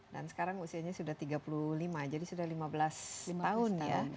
dan sekarang usianya sudah tiga puluh lima jadi sudah lima belas tahun ya